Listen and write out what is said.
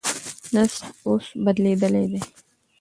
نسج اوس بدلېدلی دی.